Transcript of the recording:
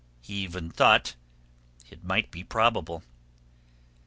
He even thought it might be probable.